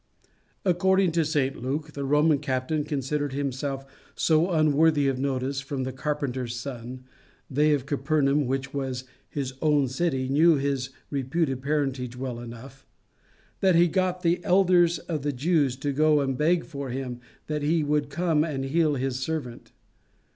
According to St Luke, the Roman captain considered himself so unworthy of notice from the carpenter's son they of Capernaum, which was "his own city," knew his reputed parentage well enough that he got the elders of the Jews to go and beg for him that he would come and heal his servant.